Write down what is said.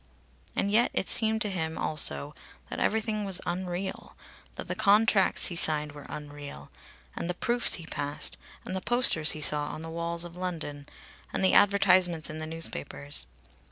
And yet it seemed to him also that everything was unreal, that the contracts he signed were unreal, and the proofs he passed, and the posters he saw on the walls of London, and the advertisements in the newspapers.